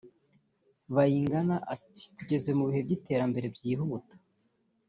Bayingana ati “tugeze mu bihe by’iterambere byihuta